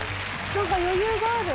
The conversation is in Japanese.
なんか余裕がある。